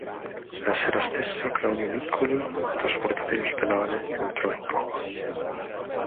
La sera stessa Claudio Miccoli, trasportato in ospedale, entrò in coma.